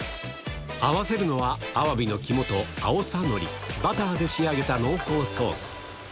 合わせるのは、アワビの肝とあおさのり、バターで仕上げた濃厚ソース。